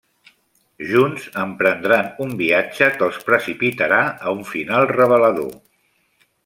Junts emprendran un viatge que els precipitarà a un final revelador.